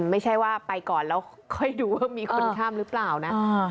ไม่ใช่ว่าไปก่อนแล้วค่อยดูว่ามีคนข้ามหรือเปล่านะ